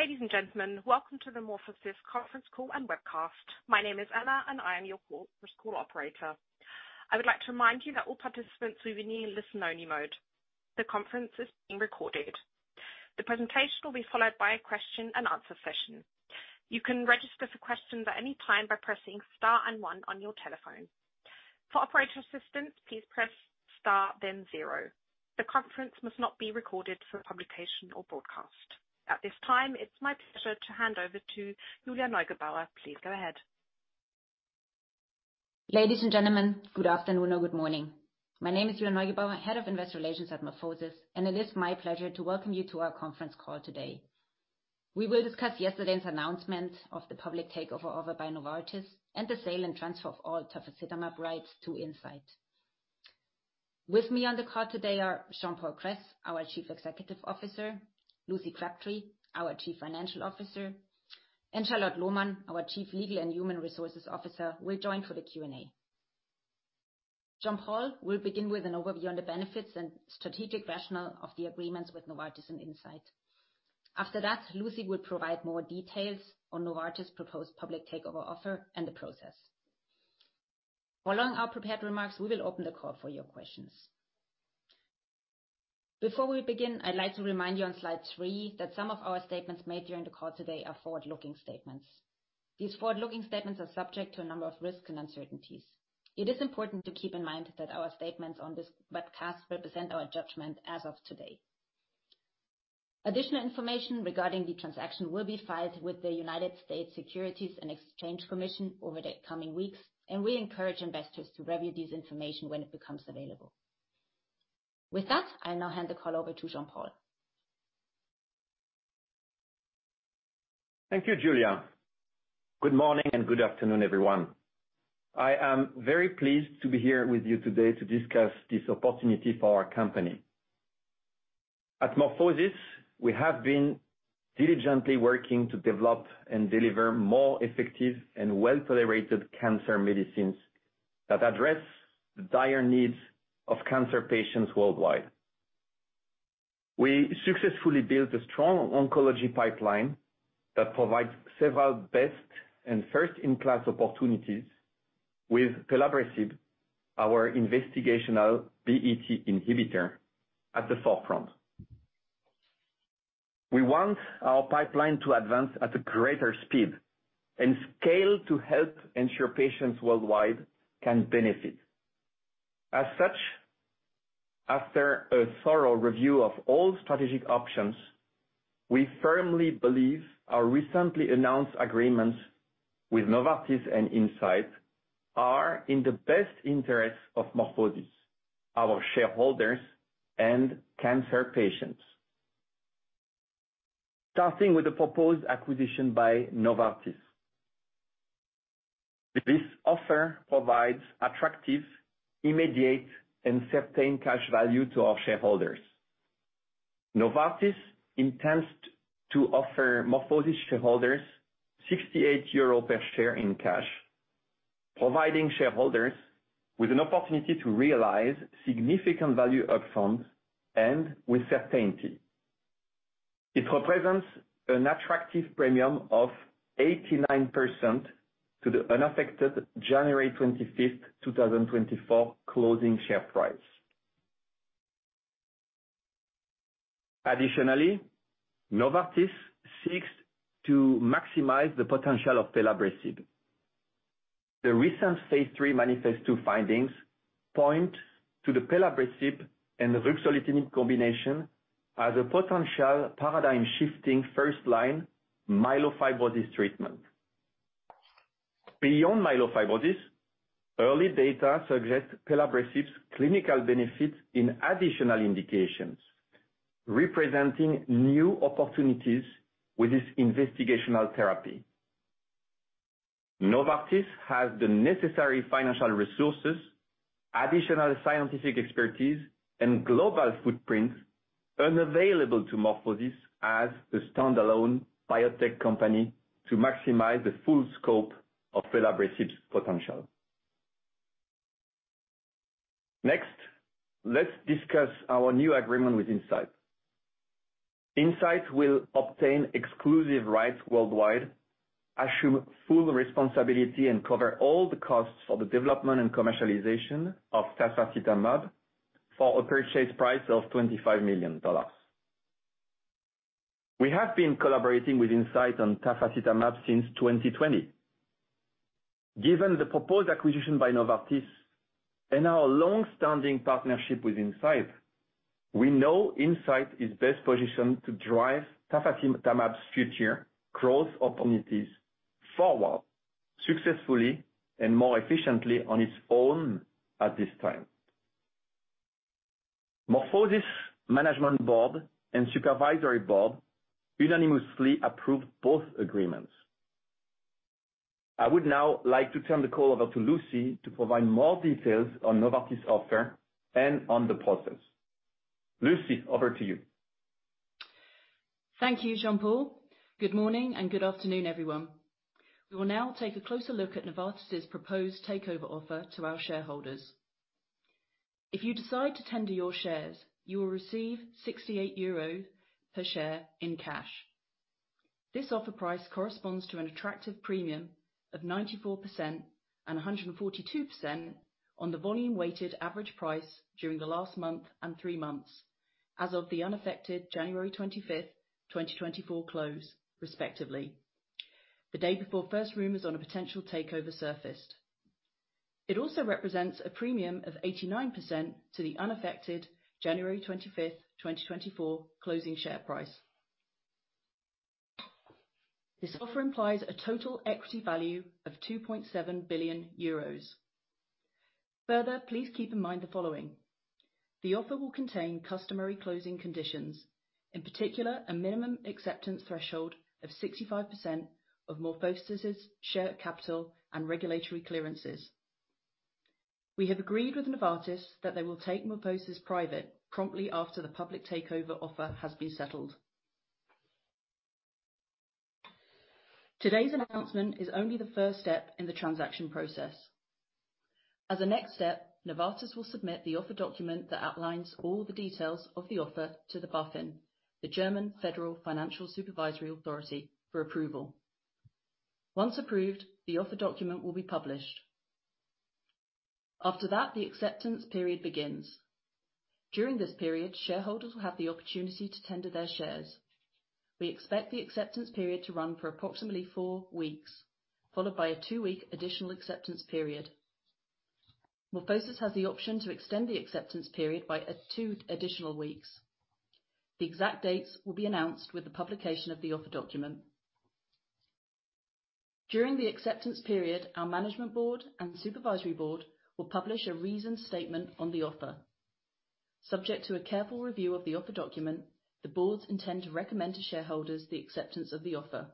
Ladies and gentlemen, welcome to the MorphoSys conference call and webcast. My name is Anna, and I am your call operator. I would like to remind you that all participants will be in listen-only mode. The conference is being recorded. The presentation will be followed by a question-and-answer session. You can register for questions at any time by pressing star and one on your telephone. For operator assistance, please press star, then zero. The conference must not be recorded for publication or broadcast. At this time, it's my pleasure to hand over to Julia Neugebauer. Please go ahead. Ladies and gentlemen, good afternoon or good morning. My name is Julia Neugebauer, Head of Investor Relations at MorphoSys, and it is my pleasure to welcome you to our conference call today. We will discuss yesterday's announcement of the public takeover offer by Novartis, and the sale and transfer of all tafasitamab rights to Incyte. With me on the call today are Jean-Paul Kress, our Chief Executive Officer, Lucy Crabtree, our Chief Financial Officer, and Charlotte Lohmann, our Chief Legal and Human Resources Officer, will join for the Q&A. Jean-Paul will begin with an overview on the benefits and strategic rationale of the agreements with Novartis and Incyte. After that, Lucy will provide more details on Novartis' proposed public takeover offer and the process. Following our prepared remarks, we will open the call for your questions. Before we begin, I'd like to remind you on slide three that some of our statements made during the call today are forward-looking statements. These forward-looking statements are subject to a number of risks and uncertainties. It is important to keep in mind that our statements on this webcast represent our judgment as of today. Additional information regarding the transaction will be filed with the United States Securities and Exchange Commission over the coming weeks, and we encourage investors to review this information when it becomes available. With that, I'll now hand the call over to Jean-Paul. Thank you, Julia. Good morning, and good afternoon, everyone. I am very pleased to be here with you today to discuss this opportunity for our company. At MorphoSys, we have been diligently working to develop and deliver more effective and well-tolerated cancer medicines that address the dire needs of cancer patients worldwide. We successfully built a strong oncology pipeline that provides several best and first-in-class opportunities with pelabresib, our investigational BET inhibitor, at the forefront. We want our pipeline to advance at a greater speed and scale to help ensure patients worldwide can benefit. As such, after a thorough review of all strategic options, we firmly believe our recently announced agreements with Novartis and Incyte are in the best interest of MorphoSys, our shareholders, and cancer patients. Starting with the proposed acquisition by Novartis. This offer provides attractive, immediate, and certain cash value to our shareholders. Novartis intends to offer MorphoSys shareholders 68 euros per share in cash, providing shareholders with an opportunity to realize significant value up front and with certainty. It represents an attractive premium of 89% to the unaffected January 25, 2024, closing share price. Additionally, Novartis seeks to maximize the potential of pelabresib. The recent phase III Manifest-2 findings point to the pelabresib and the ruxolitinib combination as a potential paradigm-shifting, first-line myelofibrosis treatment. Beyond myelofibrosis, early data suggests pelabresib's clinical benefits in additional indications, representing new opportunities with this investigational therapy. Novartis has the necessary financial resources, additional scientific expertise, and global footprint unavailable to MorphoSys as a standalone biotech company to maximize the full scope of pelabresib's potential. Next, let's discuss our new agreement with Incyte. Incyte will obtain exclusive rights worldwide, assume full responsibility, and cover all the costs for the development and commercialization of tafasitamab for a purchase price of $25 million. We have been collaborating with Incyte on tafasitamab since 2020. Given the proposed acquisition by Novartis and our long-standing partnership with Incyte, we know Incyte is best positioned to drive tafasitamab's future growth opportunities forward successfully and more efficiently on its own at this time. MorphoSys Management Board and Supervisory Board unanimously approved both agreements. I would now like to turn the call over to Lucy to provide more details on Novartis' offer and on the process. Lucy, over to you. Thank you, Jean-Paul. Good morning, and good afternoon, everyone. We will now take a closer look at Novartis' proposed takeover offer to our shareholders. If you decide to tender your shares, you will receive 68 euro per share in cash. This offer price corresponds to an attractive premium of 94% and 142% on the volume-weighted average price during the last month and three months as of the unaffected January 25, 2024 close, respectively, the day before first rumors on a potential takeover surfaced. It also represents a premium of 89% to the unaffected January 25, 2024, closing share price. This offer implies a total equity value of 2.7 billion euros. Further, please keep in mind the following: The offer will contain customary closing conditions, in particular, a minimum acceptance threshold of 65% of MorphoSys' share capital and regulatory clearances. We have agreed with Novartis that they will take MorphoSys private promptly after the public takeover offer has been settled. Today's announcement is only the first step in the transaction process. As a next step, Novartis will submit the offer document that outlines all the details of the offer to the BaFin, the German Federal Financial Supervisory Authority, for approval. Once approved, the offer document will be published. After that, the acceptance period begins. During this period, shareholders will have the opportunity to tender their shares. We expect the acceptance period to run for approximately four weeks, followed by a two-week additional acceptance period. MorphoSys has the option to extend the acceptance period by two additional weeks. The exact dates will be announced with the publication of the offer document. During the acceptance period, our management board and supervisory board will publish a reasoned statement on the offer. Subject to a careful review of the offer document, the boards intend to recommend to shareholders the acceptance of the offer.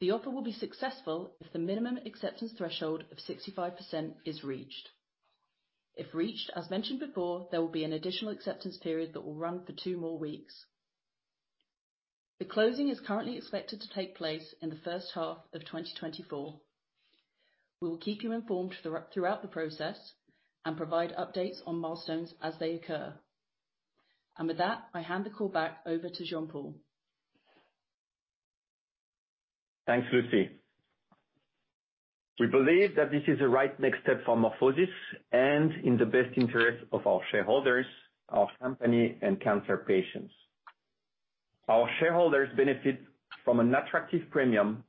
The offer will be successful if the minimum acceptance threshold of 65% is reached. If reached, as mentioned before, there will be an additional acceptance period that will run for two more weeks. The closing is currently expected to take place in the first half of 2024. We will keep you informed throughout the process and provide updates on milestones as they occur. With that, I hand the call back over to Jean-Paul. Thanks, Lucy. We believe that this is the right next step for MorphoSys and in the best interest of our shareholders, our company, and cancer patients. Our shareholders benefit from an attractive premium,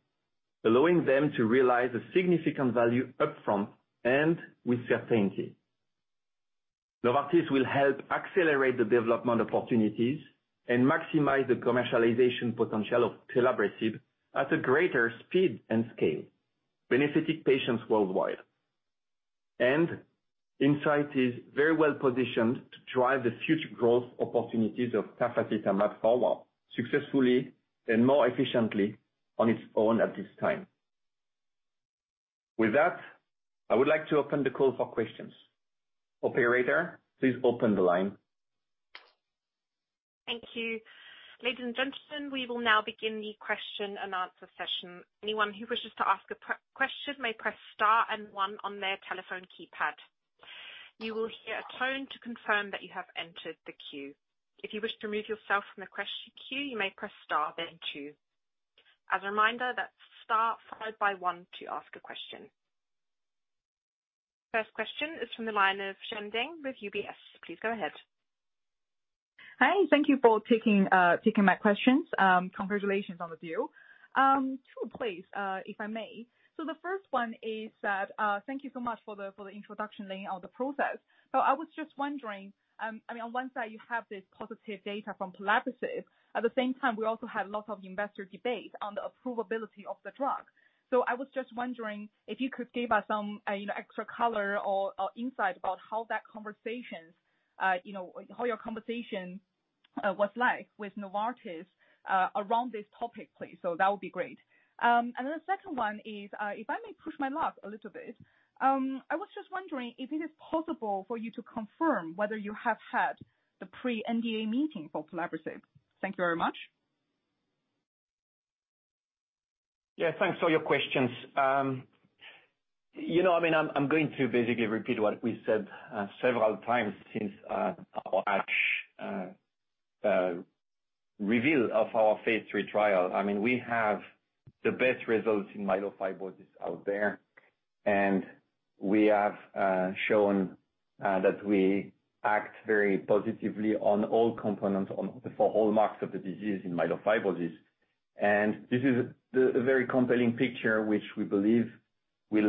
allowing them to realize a significant value upfront and with certainty. Novartis will help accelerate the development opportunities and maximize the commercialization potential of pelabresib at a greater speed and scale, benefiting patients worldwide. Incyte is very well positioned to drive the future growth opportunities of tafasitamab forward successfully and more efficiently on its own at this time. With that, I would like to open the call for questions. Operator, please open the line. Thank you. Ladies and gentlemen, we will now begin the question and answer session. Anyone who wishes to ask a question may press star and one on their telephone keypad. You will hear a tone to confirm that you have entered the queue. If you wish to remove yourself from the question queue, you may press star then two. As a reminder, that's star followed by one to ask a question. First question is from the line of Xian Deng with UBS. Please go ahead. Hi, thank you for taking my questions. Congratulations on the deal. Two please, if I may. So the first one is that, thank you so much for the introduction laying out the process. So I was just wondering, I mean, on one side, you have this positive data from pelabresib. At the same time, we also have a lot of investor debate on the approvability of the drug. So I was just wondering if you could give us some, you know, extra color or insight about how that conversation, you know, how your conversation was like with Novartis around this topic, please. So that would be great. And then the second one is, if I may push my luck a little bit, I was just wondering if it is possible for you to confirm whether you have had the pre-NDA meeting for pelabresib. Thank you very much. Yeah, thanks for your questions. You know, I mean, I'm going to basically repeat what we said several times since our actual reveal of our phase III trial. I mean, we have the best results in myelofibrosis out there, and we have shown that we act very positively on all components for all marks of the disease in myelofibrosis. And this is a very compelling picture, which we believe will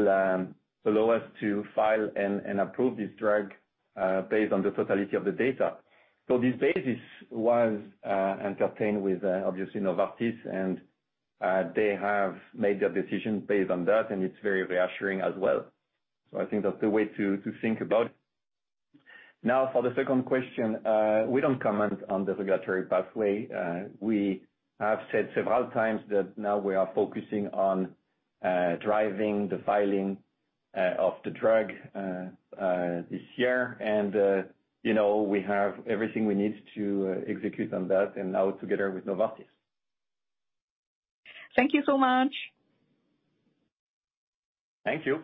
allow us to file and approve this drug based on the totality of the data. So this basis was entertained with, obviously, Novartis, and they have made their decision based on that, and it's very reassuring as well. So I think that's the way to think about it. Now, for the second question, we don't comment on the regulatory pathway. We have said several times that now we are focusing on driving the filing of the drug this year, and you know, we have everything we need to execute on that, and now together with Novartis.... Thank you so much! Thank you.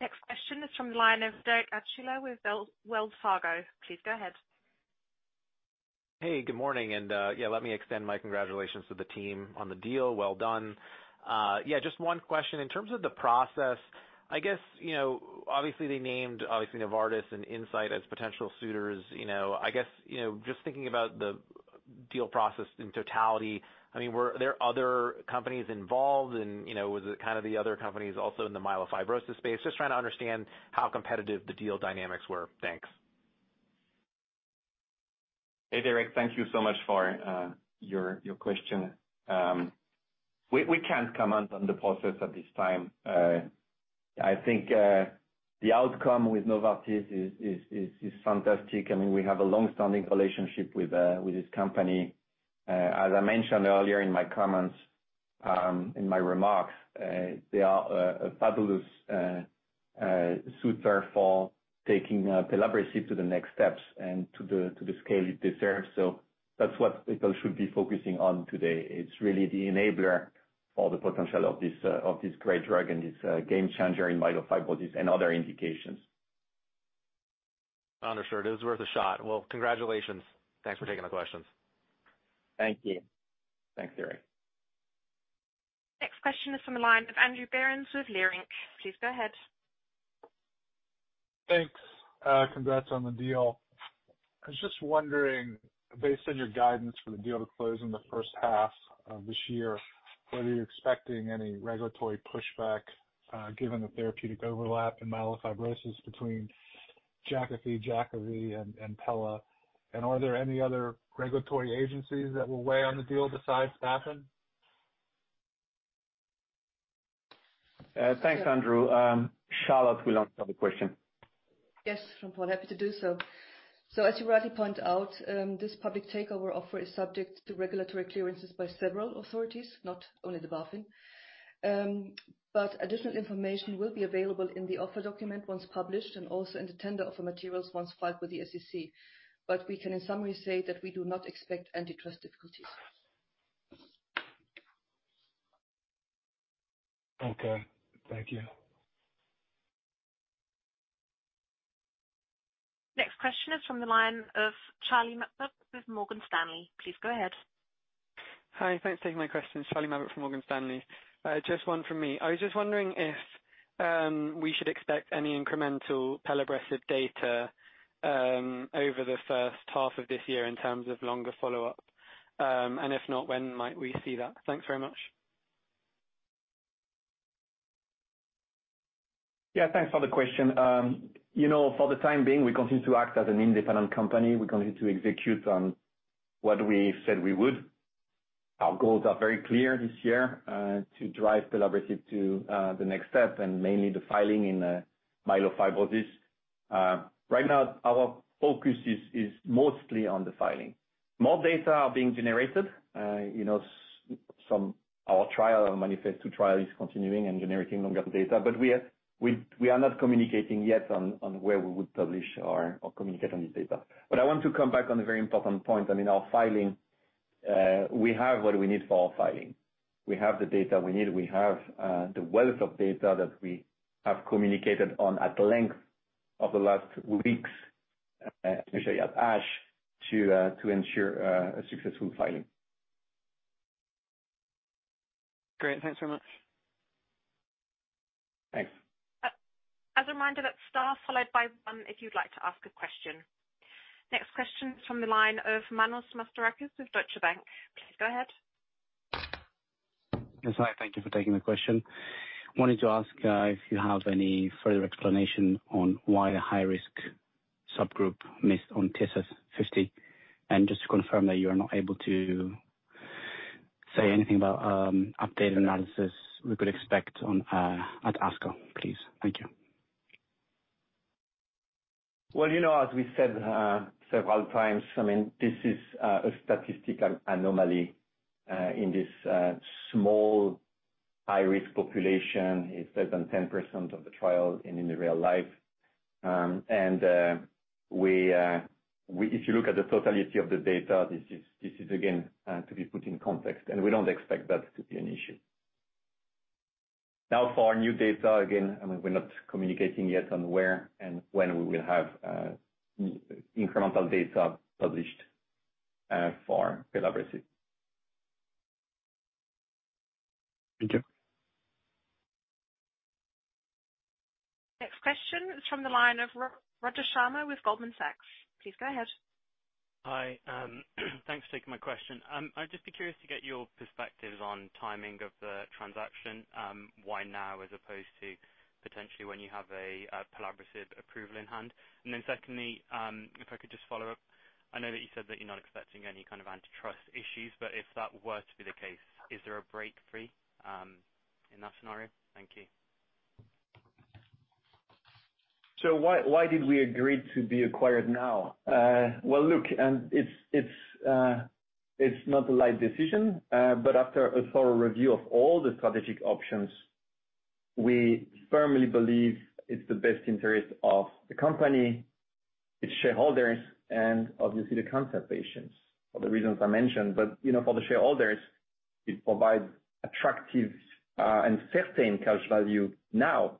Next question is from the line of Derek Archila with Wells Fargo. Please go ahead. Hey, good morning, and yeah, let me extend my congratulations to the team on the deal. Well done. Yeah, just one question. In terms of the process, I guess, you know, obviously they named obviously Novartis and Incyte as potential suitors, you know. I guess, you know, just thinking about the deal process in totality, I mean, were there other companies involved? And, you know, was it kind of the other companies also in the myelofibrosis space? Just trying to understand how competitive the deal dynamics were. Thanks. Hey, Derek. Thank you so much for your question. We can't comment on the process at this time. I think the outcome with Novartis is fantastic. I mean, we have a long-standing relationship with this company. As I mentioned earlier in my comments, in my remarks, they are a fabulous suitor for taking pelabresib to the next steps and to the scale it deserves. So that's what people should be focusing on today. It's really the enabler for the potential of this great drug and this game changer in myelofibrosis and other indications. Understood. It was worth a shot. Well, congratulations. Thanks for taking the questions. Thank you. Thanks, Derek. Next question is from the line of Andrew Berens with Leerink. Please go ahead. Thanks. Congrats on the deal. I was just wondering, based on your guidance for the deal to close in the first half of this year, were you expecting any regulatory pushback, given the therapeutic overlap in myelofibrosis between Jakafi, Jakavi, and, and Pela? And are there any other regulatory agencies that will weigh on the deal besides BaFin? Thanks, Andrew. Charlotte will answer the question. Yes, sure, Paul. Happy to do so. So as you rightly point out, this public takeover offer is subject to regulatory clearances by several authorities, not only the BaFin. But additional information will be available in the offer document once published, and also in the tender offer materials once filed with the SEC. But we can in summary say that we do not expect antitrust difficulties. Okay. Thank you. Next question is from the line of Charlie Mabbutt with Morgan Stanley. Please go ahead. Hi, thanks for taking my question. Charlie Mabbutt from Morgan Stanley. Just one from me. I was just wondering if we should expect any incremental pelabresib data over the first half of this year in terms of longer follow-up. And if not, when might we see that? Thanks very much. Yeah, thanks for the question. You know, for the time being, we continue to act as an independent company. We continue to execute on what we said we would. Our goals are very clear this year to drive pelabresib to the next step, and mainly the filing in myelofibrosis. Right now, our focus is mostly on the filing. More data are being generated, you know. Our trial, Manifest-2 trial is continuing and generating longer data. But we are not communicating yet on where we would publish our, or communicate on this data. But I want to come back on a very important point. I mean, our filing, we have what we need for our filing. We have the data we need. We have the wealth of data that we have communicated on at length over the last weeks, especially at ASH, to ensure a successful filing. Great. Thanks very much. Thanks. As a reminder, that's star followed by one, if you'd like to ask a question. Next question is from the line of Manos Mastorakis with Deutsche Bank. Please go ahead. Yes, hi. Thank you for taking the question. Wanted to ask if you have any further explanation on why the high-risk subgroup missed on TSS50? And just to confirm that you are not able to say anything about updated analysis we could expect on at ASCO, please. Thank you. Well, you know, as we said, several times, I mean, this is a statistical anomaly in this small, high-risk population. It's less than 10% of the trial and in the real life. And, if you look at the totality of the data, this is, this is again, to be put in context, and we don't expect that to be an issue. Now, for our new data, again, I mean, we're not communicating yet on where and when we will have incremental data published for pelabresib. Thank you. Next question is from the line of Rajan Sharma with Goldman Sachs. Please go ahead. Hi. Thanks for taking my question. I'd just be curious to get your perspectives on timing of the transaction. Why now, as opposed to potentially when you have a pelabresib approval in hand? And then secondly, if I could just follow up. I know that you said that you're not expecting any kind of antitrust issues, but if that were to be the case, is there a break fee in that scenario? Thank you. So why, why did we agree to be acquired now? Well, look, it's not a light decision, but after a thorough review of all the strategic options. We firmly believe it's the best interest of the company, its shareholders, and obviously the cancer patients, for the reasons I mentioned. But, you know, for the shareholders, it provides attractive and certain cash value now.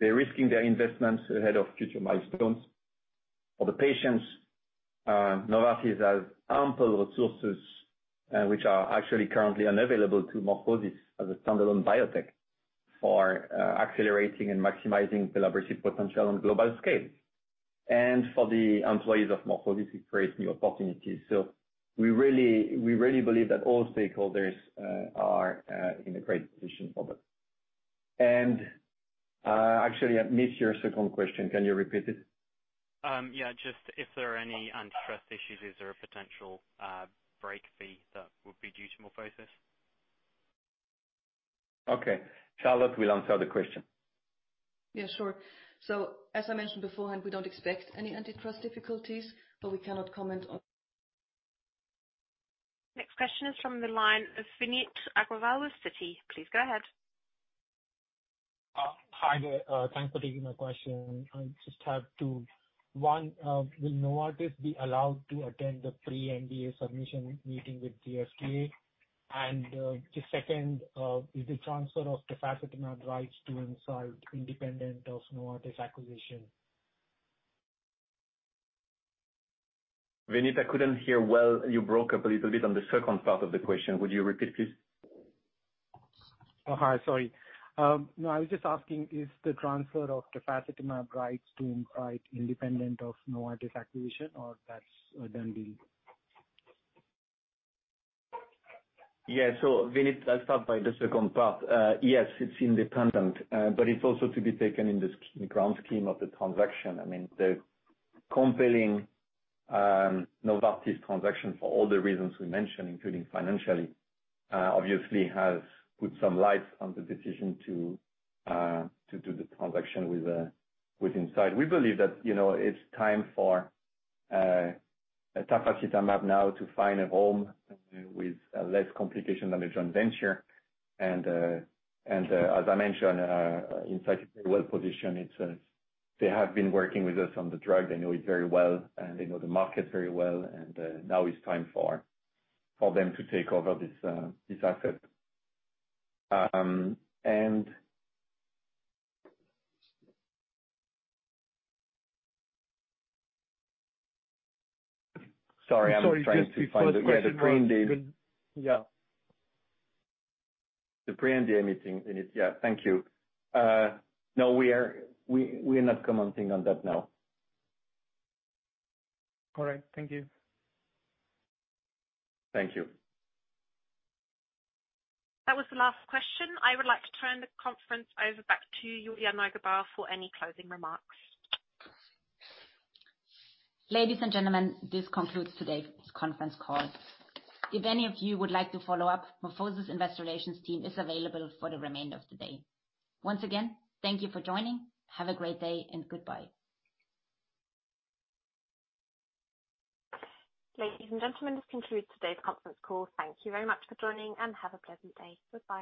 They're risking their investments ahead of future milestones. For the patients, Novartis has ample resources, which are actually currently unavailable to MorphoSys as a standalone biotech for accelerating and maximizing the laboratory's potential on global scale. And for the employees of MorphoSys, it creates new opportunities. So we really, we really believe that all stakeholders are in a great position for this. And actually, I missed your second question. Can you repeat it? Yeah, just if there are any antitrust issues, is there a potential break fee that would be due to MorphoSys? Okay. Charlotte will answer the question. Yeah, sure. So as I mentioned beforehand, we don't expect any antitrust difficulties, but we cannot comment on- Next question is from the line of Vineet Agrawal with Citi. Please go ahead. Hi there. Thanks for taking my question. I just have two. One, will Novartis be allowed to attend the pre-NDA submission meeting with GSK? And, the second, is the transfer of tafasitamab rights to Incyte independent of Novartis acquisition? Vineet, I couldn't hear well. You broke up a little bit on the second part of the question. Would you repeat, please? Oh, hi. Sorry. No, I was just asking, is the transfer of tafasitamab rights to Incyte independent of Novartis acquisition, or that's done deal? Yeah. So Vineet, I'll start by the second part. Yes, it's independent, but it's also to be taken in the grand scheme of the transaction. I mean, the compelling Novartis transaction for all the reasons we mentioned, including financially, obviously has put some light on the decision to do the transaction with Incyte. We believe that, you know, it's time for tafasitamab now to find a home with less complication than a joint venture. And as I mentioned, Incyte is well positioned. It's they have been working with us on the drug. They know it very well, and they know the market very well. And now it's time for them to take over this asset. And... Sorry, I was trying to find the question- Yeah. The pre-NDA meeting, Vineet. Yeah. Thank you. No, we are not commenting on that now. All right. Thank you. Thank you. That was the last question. I would like to turn the conference over back to Julia Neugebauer for any closing remarks. Ladies and gentlemen, this concludes today's conference call. If any of you would like to follow up, MorphoSys' investor relations team is available for the remainder of the day. Once again, thank you for joining. Have a great day, and goodbye. Ladies and gentlemen, this concludes today's conference call. Thank you very much for joining, and have a pleasant day. Goodbye.